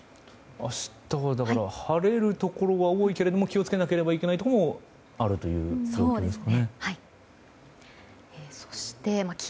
明日は晴れるところは多いけれども気をつけなければいけないところもあるということですかね。